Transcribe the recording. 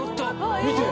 見て！